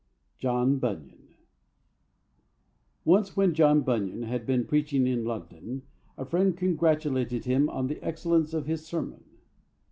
JOHN BUNYAN Once, when John Bunyan had been preaching in London, a friend congratulated him on the excellence of his sermon.